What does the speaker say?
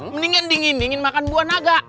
mendingan dingin dingin makan buah naga